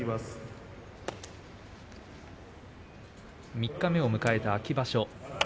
三日目を迎えた秋場所。